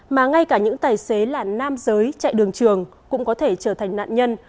mà ngay cả những tài xế là nam giới chạy đường trường cũng có thể trở thành nạn nhân